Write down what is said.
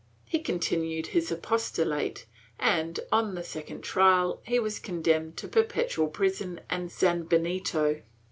He continued his apostolate and, on a second trial, he was condemned to perpetual prison and sanbenito.